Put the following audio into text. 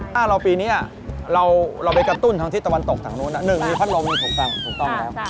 ถ้าเราปีนี้เราไปกระตุ้นทางทิศตะวันตกทางนู้น๑มีพัดลมนี่ถูกต้องถูกต้องแล้ว